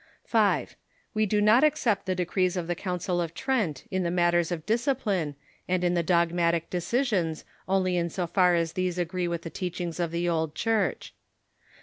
5. We do not accept the decrees of the Council of Trent in the matters of discipline, and in the dogmatic decisions only in so far as these agree wuth the teachings of the old Church.